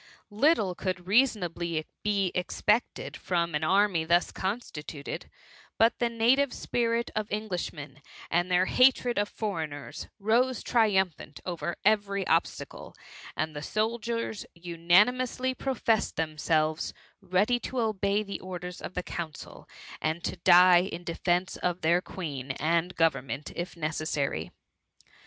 Little could reasonably be expected from an army thus constituted, but the native spirit of Englishmen, and their hatred of foreigners, rose triumphant over every obstacle; and the soldiers unanimously professed themselves ready to obey the orders of the council, and to die in defence of their Queen and government if necessary.